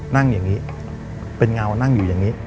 นั่งอย่างนี้เป็นเงานั่งอยู่อย่างนี้